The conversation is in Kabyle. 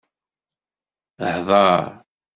Hḍer!